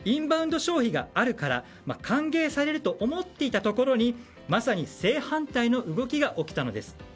消費があるから歓迎されると思っていたところにまさに正反対の動きが起きたのです。